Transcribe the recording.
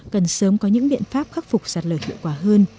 cần sớm có những biện pháp khắc phục sạt lở hiệu quả hơn